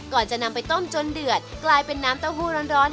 ก่อนจะนำไปต้มจนเดือดกลายเป็นน้ำเต้าหู้ร้อน